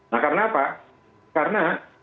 nah karena apa karena